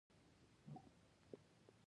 غوښې د افغان تاریخ په کتابونو کې ذکر شوي دي.